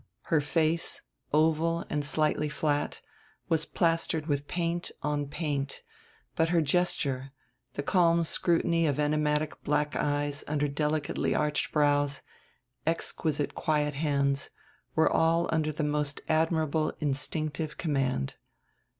Her face, oval and slightly flat, was plastered with paint on paint, but her gesture, the calm scrutiny of enigmatic black eyes under delicately arched brows, exquisite quiet hands, were all under the most admirable instinctive command.